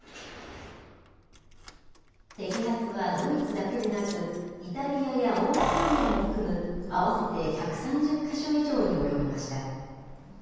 摘発はドイツだけでなく、イタリアやオーストリアも含む、合わせて１３０か所以上に及びました。